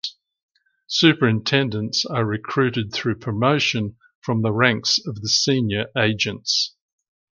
Superintendents are recruited through promotion from the ranks of the senior agents.